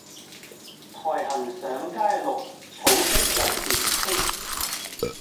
苔痕上階綠，草色入簾青